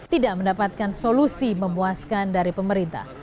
tidak mendapatkan solusi memuaskan dari pemerintah